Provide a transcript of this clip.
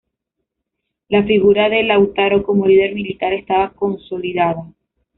La figura de Lautaro como líder militar estaba consolidada.